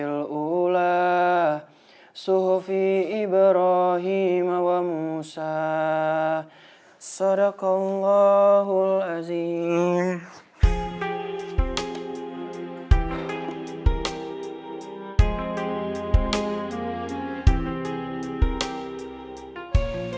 al ula suhufi ibrahim aba musa sadakallahul azim